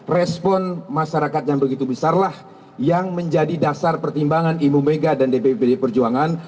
respon masyarakat yang begitu besarlah yang menjadi dasar pertimbangan ibu mega dan dppd perjuangan